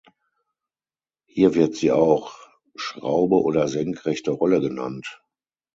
Hier wird sie auch "Schraube" oder "senkrechte Rolle" genannt.